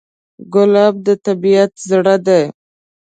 ګلاب د طبیعت زړه دی.